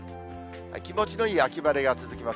気持ちのいい秋晴れが続きます。